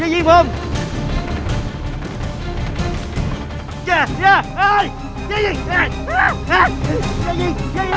อย่างนี้อย่างนี้